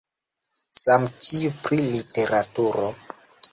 Same tiu pri literaturo.